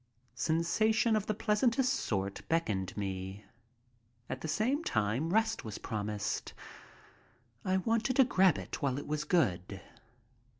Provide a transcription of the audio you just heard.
Sensation of the pleasantest sort beckoned me, at the same time rest was promised. I wanted to grab it while it was good.